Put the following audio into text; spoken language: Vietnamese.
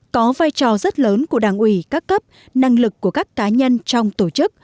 có vai trò rất lớn của đảng ủy các cấp năng lực của các cá nhân trong tổ chức